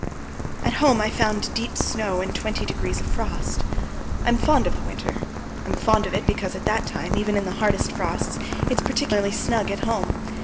At home I found deep snow and twenty degrees of frost. I'm fond of the winter; I'm fond of it because at that time, even in the hardest frosts, it's particularly snug at home.